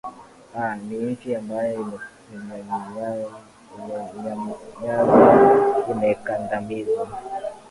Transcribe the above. aa ni nchi ambao imenyanyazwa imekandamizwa